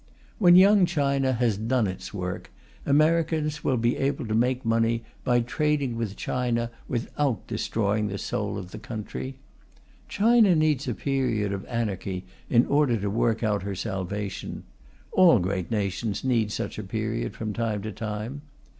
When Young China has done its work, Americans will be able to make money by trading with China, without destroying the soul of the country. China needs a period of anarchy in order to work out her salvation; all great nations need such a period, from time to time.